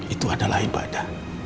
itu adalah ibadah